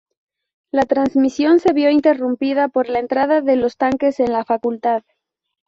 La transmisión se vio interrumpida por la entrada de los tanques en la facultad.